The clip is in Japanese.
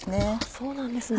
そうなんですね。